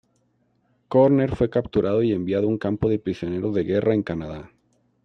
Körner fue capturado y enviado a un campo de prisioneros de guerra en Canadá.